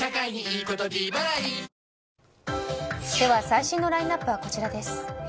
最新のラインアップはこちらです。